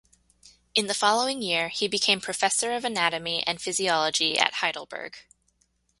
In the following year, he became professor of anatomy and physiology at Heidelberg.